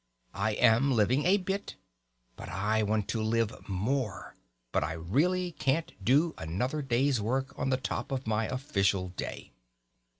I am living a bit; I want to live more. But I really can't do another day's work on the top of my official day."